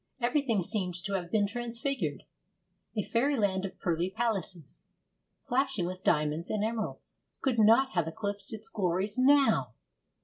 Everything seemed to have been transfigured. A fairyland of pearly palaces, flashing with diamonds and emeralds, could not have eclipsed its glories now!